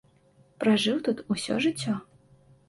Пражыў тут усё жыццё.